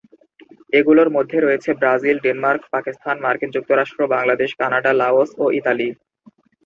এগুলোর মধ্যে রয়েছে ব্রাজিল, ডেনমার্ক, পাকিস্তান, মার্কিন যুক্তরাষ্ট্র, বাংলাদেশ, কানাডা, লাওস ও ইতালি।